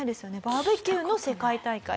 バーベキューの世界大会。